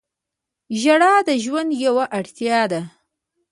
• ژړا د ژوند یوه اړتیا ده.